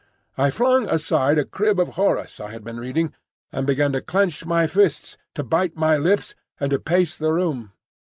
I flung aside a crib of Horace I had been reading, and began to clench my fists, to bite my lips, and to pace the room.